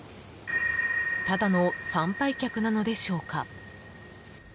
ただの参拝客なのでしょうか。